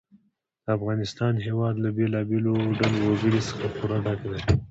د افغانستان هېواد له بېلابېلو ډولو وګړي څخه پوره ډک دی.